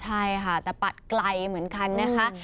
ใช่ค่ะแต่ปัดไกลเหมือนกันนะคะ